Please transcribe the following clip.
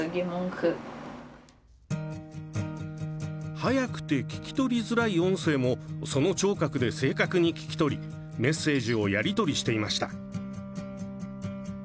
早くて聞き取りづらい音声もその聴覚で正確に聞き取りメッセージをやり取りしていました。